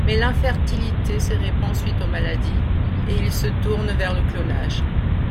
Mais l'infertilité se répand suite aux maladies, et ils se tournent vers le clonage.